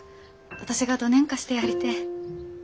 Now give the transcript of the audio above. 私がどねんかしてやりてえ。